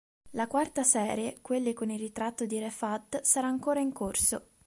La quarta serie, quelle con il ritratto di re Fahd sarà ancora in corso.